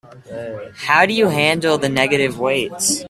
How do you handle the negative weights?